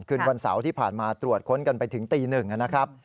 คืนวันเสาร์ที่ผ่านมาตรวจค้นกันไปถึงตี๑นะครับ